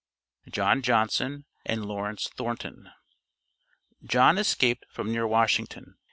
JOHN JOHNSON AND LAWRENCE THORNTON. John escaped from near Washington.